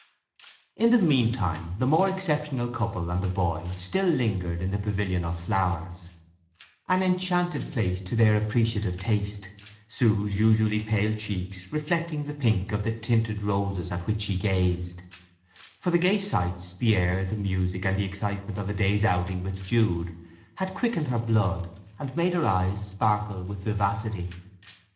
In the meantime the more exceptional couple and the boy still lingered in the pavilion of flowers—an enchanted palace to their appreciative taste—Sue's usually pale cheeks reflecting the pink of the tinted roses at which she gazed; for the gay sights, the air, the music, and the excitement of a day's outing with Jude had quickened her blood and made her eyes sparkle with vivacity.